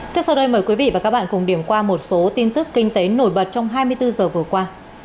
tiếp sau đây mời quý vị và các bạn cùng điểm qua một số tin tức kinh tế nổi bật trong hai mươi bốn h vừa qua